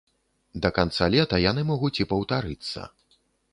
Да канца лета яны могуць і паўтарыцца.